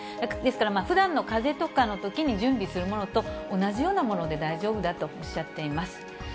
ですからふだんのかぜとかのときに準備するものと同じようなもので大丈夫だとおっしゃっています。